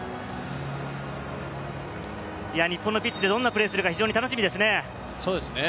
日本のピッチでどんなプレーをするか非常に楽しみですね。